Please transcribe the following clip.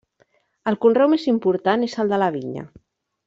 El conreu més important és el de la vinya.